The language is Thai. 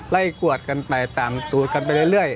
กวดกันไปตามตรวจกันไปเรื่อย